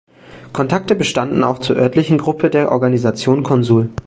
Kontakte bestanden auch zur örtlichen Gruppe der Organisation Consul.